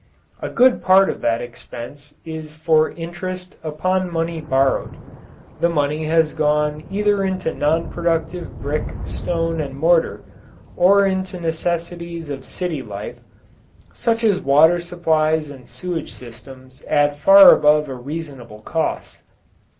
A good part of that expense is for interest upon money borrowed; the money has gone either into non productive brick, stone, and mortar, or into necessities of city life, such as water supplies and sewage systems at far above a reasonable cost.